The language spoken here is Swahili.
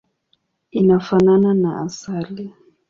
Inafanana na asali.